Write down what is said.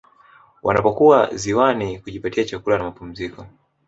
Wanapokuwa ziwani kujipatia chakula na mapumziko